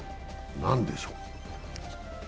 何でしょう？